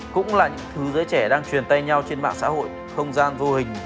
cũng là những thứ giới trẻ đang truyền tay nhau trên mạng xã hội không gian vô hình